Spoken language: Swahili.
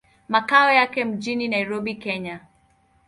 Makao yake mjini Nairobi, Kenya.